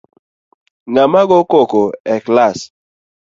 Ng’ama go koko e klass